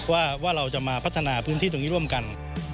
ว่าเราจะมาพัฒนาพื้นที่ตรงนี้ร่วมกัน